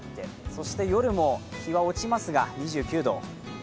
そして夜も日は落ちますが２９度。